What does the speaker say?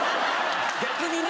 逆にね。